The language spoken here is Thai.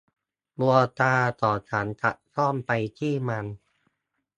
ดวงตาของฉันจับจ้องไปที่มัน